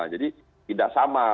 jadi tidak sama